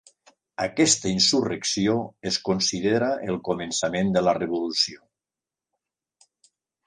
Aquesta insurrecció es considera el començament de la Revolució.